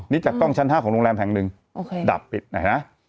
นี่จากกล้องชั้น๕ของโรงแรมแห่งหนึ่งดับปิดหน่อยนะ